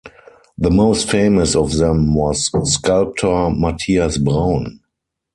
The most famous of them was sculptor Matthias Braun.